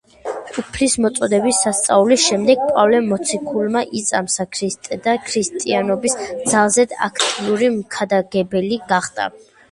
უფლის მოწოდებით სასწაულის შემდეგ პავლე მოციქულმა იწამა ქრისტე და ქრისტიანობის ძალზედ აქტიური მქადაგებელი გახდა.